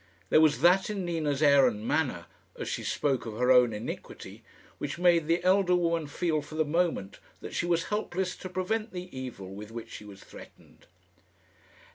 There was that in Nina's air and manner, as she spoke of her own iniquity, which made the elder woman feel for the moment that she was helpless to prevent the evil with which she was threatened.